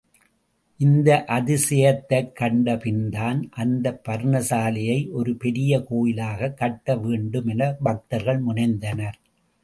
இந்த அதிசயத்தைக் கண்ட பின்தான், அந்த பர்ணசாலையை ஒரு பெரிய கோயிலாகவே கட்ட வேண்டும், என பக்தர்கள் முனைந்தனர்.